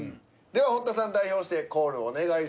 では堀田さん代表してコールお願いします。